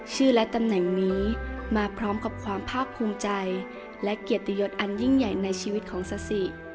ชื่อและตำแหน่งนี้มาพร้อมกับความภาคภูมิใจและเกียรติยศอันยิ่งใหญ่ในชีวิตของซาสิ